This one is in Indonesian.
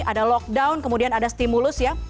ada lockdown kemudian ada stimulus ya